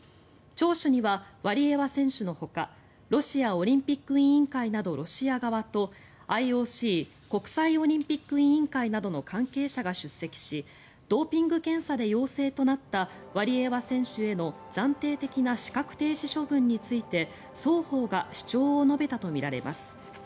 聴取にはワリエワ選手のほかロシアオリンピック委員会などロシア側とＩＯＣ・国際オリンピック委員会などの関係者が出席しドーピング検査で陽性となったワリエワ選手への暫定的な資格停止処分について双方が主張を述べたとみられます。